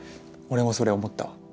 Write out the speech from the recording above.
俺もそれ思ったわ。